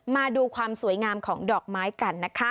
มาดูความสวยงามของดอกไม้กันนะคะ